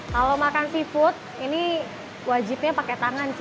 kalau makan seafood ini wajibnya pakai tangan sih